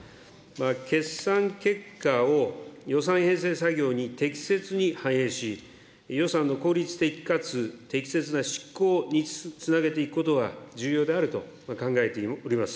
決算結果を予算編成作業に適切に反映し、予算の効率的かつ適切な執行につなげていくことは重要であると考えております。